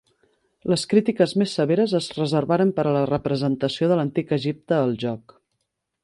Les crítiques més severes es reservaren per a la representació de l'Antic Egipte al joc.